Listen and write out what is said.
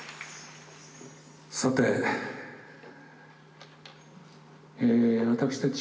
さてえ私たち